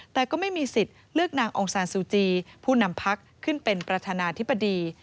แต่ก็ไม่มีสิทธิ์เลือกนางองซานซูจีผู้นำพักขึ้นเป็นประธานาธิบดี